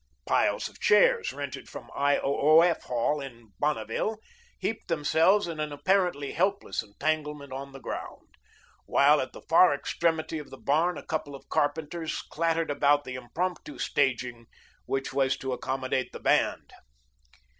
Piles of chairs, rented from I.O.O.F. hall in Bonneville, heaped themselves in an apparently hopeless entanglement on the ground; while at the far extremity of the barn a couple of carpenters clattered about the impromptu staging which was to accommodate the band.